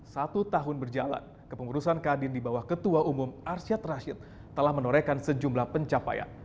satu tahun berjalan kepengurusan kadin di bawah ketua umum arsyad rashid telah menorehkan sejumlah pencapaian